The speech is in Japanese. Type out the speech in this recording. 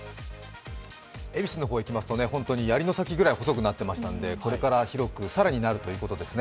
恵比寿の方いきますと、やりの先ぐらい細くなっていましたんでこれから更に広くなるということですね。